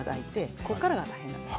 ここからが大変なんです。